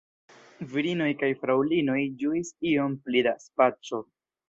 Virinoj kaj fraŭlinoj ĝuis ion pli da spaco.